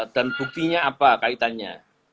dan buktinya apa kaitannya